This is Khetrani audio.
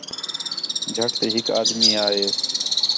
جَھٹ تی ہِک آدمی آ ہِے